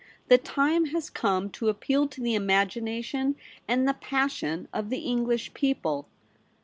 The time has come to appeal to the imagination and the passion of the English people.